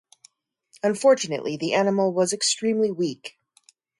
Unfortunately, the animal was extremely weak.